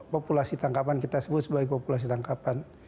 populasi tangkapan kita sebut sebagai populasi tangkapan